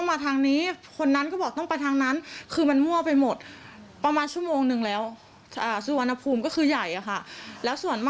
อันนี้เราเข้าไปได้เลย